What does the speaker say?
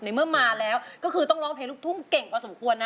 เมื่อมาแล้วก็คือต้องร้องเพลงลูกทุ่งเก่งพอสมควรนะ